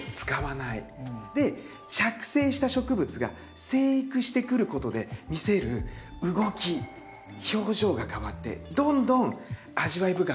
で着生した植物が生育してくることで見せる動き表情が変わってどんどん味わい深くなってくるんですよ。